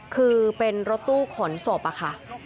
คือเป็นรถตู้ขนศพอะค่ะ